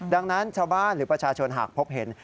ดังนั้นชาวบ้านหรือประชาชนหากพบเห็น